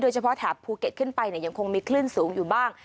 เฉพาะแถบภูเก็ตขึ้นไปยังคงมีคลื่นสูงอยู่บ้าง